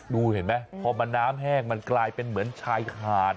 ดูเห็นไหมพอมันน้ำแห้งมันกลายเป็นเหมือนชายขาด